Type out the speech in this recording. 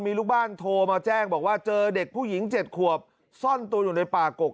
มีลูกบ้านโทรมาแจ้งบอกว่าเจอเด็กผู้หญิง๗ขวบซ่อนตัวอยู่ในป่ากก